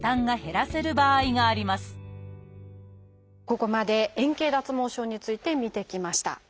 ここまで円形脱毛症について見てきました。